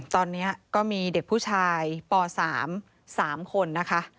ตอนนี้ก็มีเด็กผู้ชายป๓๓คนนะคะ